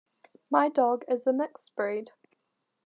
My dog is a mixed breed.